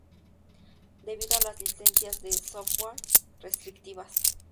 debido a las licencias de software restrictivas